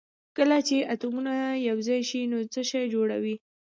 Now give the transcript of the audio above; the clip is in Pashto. کله چې اتومونه سره یو ځای شي نو څه شی جوړوي